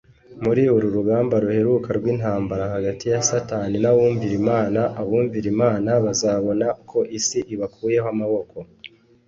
Muri uru rugamba ruheruka rw’intambara hagati ya Satani n’abumvira Imana, abumvira Imana bazabona ko isi ibakuyeho amaboko